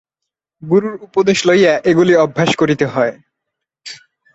গুরুর উপদেশ লইয়া এগুলি অভ্যাস করিতে হয়।